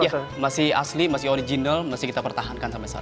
iya masih asli masih original masih kita pertahankan sampai saat ini